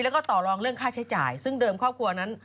แล้วก็ต่อรองเรื่องค่าใช้จ่ายซึ่งเดิมครอบครัวนั้น